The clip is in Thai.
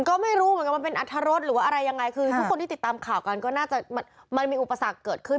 ก็ไม่รู้เหมือนกันมันเป็นอัตรรสหรือว่าอะไรยังไงคือทุกคนที่ติดตามข่าวกันก็น่าจะมันมีอุปสรรคเกิดขึ้น